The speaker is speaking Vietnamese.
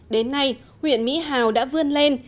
đến nay huyện mỹ hào đã vươn lên